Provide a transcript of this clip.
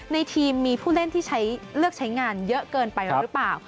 ในทีมมีผู้เล่นที่เลือกใช้งานเยอะเกินไปหรือเปล่า